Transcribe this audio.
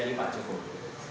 dari pak jokowi